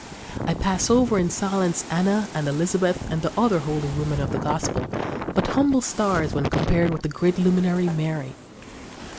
I pass over in silence Anna and Elizabeth and the other holy women of the Gospel, but humble stars when compared with the great luminary, Mary.